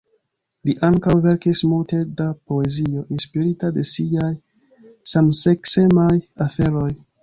Li ankaŭ verkis multe da poezio inspirita de siaj samseksemaj aferoj.